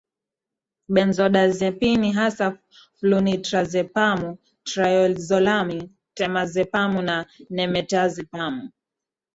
Benzodiazepini hasa flunitrazepamu triazolami temazepamu na nimetazepamu